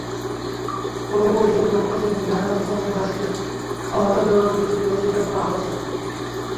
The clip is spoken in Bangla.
তবে পুলিশের পক্ষ থেকে নারায়ণ চন্দ্র দাসকে প্রহরা দেওয়ার বিষয়টি অস্বীকার করা হয়েছে।